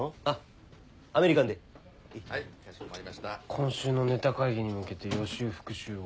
今週のネタ会議に向けて予習復習を。